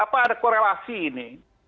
apa ada korelasi ini